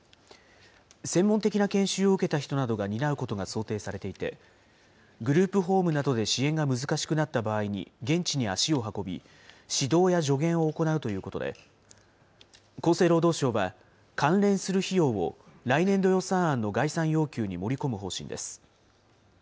専門的な研修を受けた人などが担うことが想定されていて、グループホームなどで支援が難しくなった場合に、現地に足を運び、指導や助言を行うということで、厚生労働省は、関連する費用を来年度予算案の概算要求に盛り込む方針です。